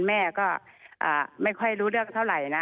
แม่ก็ไม่ค่อยรู้เรื่องเท่าไหร่นะ